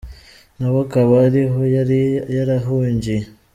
Na we akaba ariho yari yarahungiye.